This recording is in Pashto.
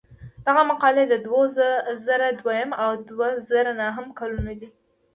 دغه مقالې د دوه زره دویم او دوه زره نهم کلونو دي.